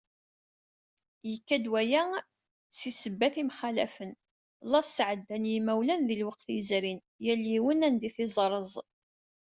Yekka-d waya si sebbat imxalafen, llaẓ sεeddan yimawlan di lewqat yezrin yal yiwen anida i t-iẓrez.